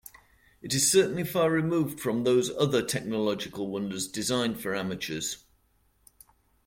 It is certainly far removed from those other technological wonders designed for amateurs.